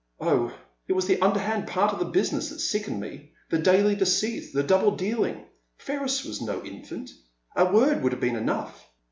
Oh, it was the underhand part of the business that sickened me, the daily deceit, the double dealing. Ferris was no infant. A word would have been enough.